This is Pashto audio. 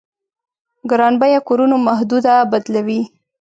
ګران بيه کورونو محدوده بدلوي.